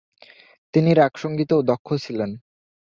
তিনি রাগসঙ্গীতেও দক্ষ ছিলেন।